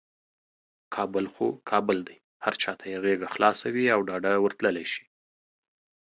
کابل خو کابل دی، هر چاته یې غیږه خلاصه وي او ډاده ورتللی شي.